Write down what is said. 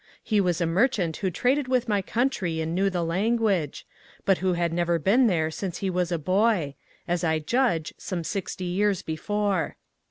He was a merchant who traded with my country and knew the language, but who had never been there since he was a boy—as I judge, some sixty years before.